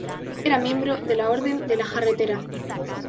Era miembro de la Orden de la Jarretera.